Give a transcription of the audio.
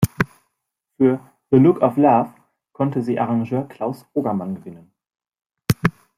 Für "The Look of Love" konnte sie den Arrangeur Claus Ogerman gewinnen.